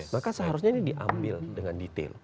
maka seharusnya ini diambil dengan detail